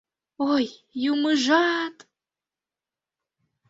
— Ой, юмыжа-ат!